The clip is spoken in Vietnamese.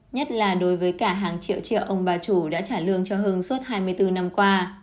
nhất là đối với cả hàng triệu triệu ông bà chủ đã trả lương cho hưng suốt hai mươi bốn năm qua